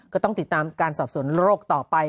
ก็ต้องติดตามการสอบสวนโรคต่อไป